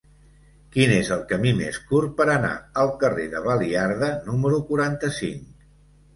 Quin és el camí més curt per anar al carrer de Baliarda número quaranta-cinc?